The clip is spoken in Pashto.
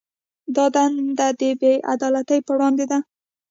دا دنده د بې عدالتۍ پر وړاندې ده.